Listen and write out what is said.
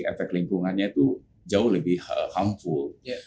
itu dari sisi efek lingkungannya itu jauh lebih berbahaya